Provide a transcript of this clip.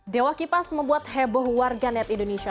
dewa kipas membuat heboh warga net indonesia